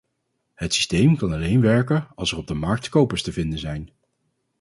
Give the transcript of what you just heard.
Het systeem kan alleen werken als er op de markt kopers te vinden zijn.